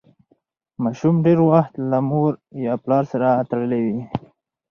ماشوم ډېر وخت له مور یا پلار سره تړلی وي.